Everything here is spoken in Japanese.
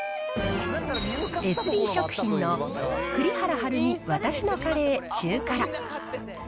エスビー食品の栗原はるみわたしのカレー中辛。